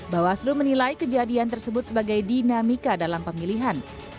bawaslu menilai kejadian tersebut sebagai dinamika dalam pemilihan